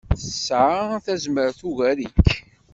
Tesɛa tazmert ugar-ik.